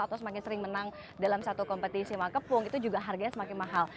atau semakin sering menang dalam satu kompetisi makepung itu juga harganya semakin mahal